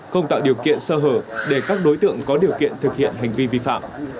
không tạo điều kiện sơ hở để các đối tượng có điều kiện thực hiện hành vi vi phạm